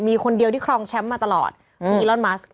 มีคนเดียวที่ครองแชมป์มาตลอดมีอีลอนมัส